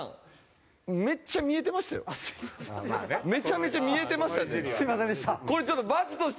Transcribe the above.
めちゃめちゃ見えてましたって。